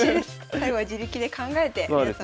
最後は自力で考えて皆さん。